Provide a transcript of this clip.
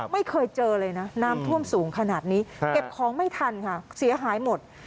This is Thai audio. ไม่เคยเจอเลยนะน้ำท่วมสูงขนาดนี้เก็บของไม่ทันค่ะเสียหายหมด